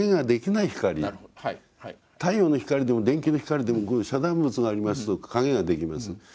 太陽の光でも電球の光でも遮断物がありますと影ができます。